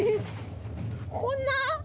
こんな？